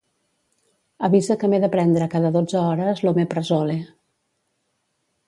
Avisa que m'he de prendre cada dotze hores l'omeprazole.